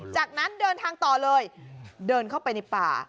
จากนั้นเดินทางต่อเลยเดินเข้าไปในป่า